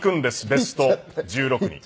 ベスト１６に。